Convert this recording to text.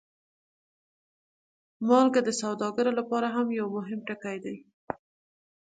مالګه د سوداګرو لپاره هم یو مهم توکی دی.